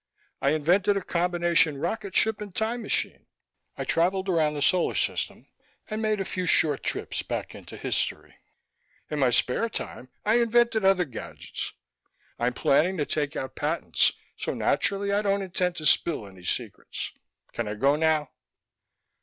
"I invented a combination rocket ship and time machine. I traveled around the solar system and made a few short trips back into history. In my spare time I invented other gadgets. I'm planning to take out patents, so naturally I don't intend to spill any secrets. Can I go now?"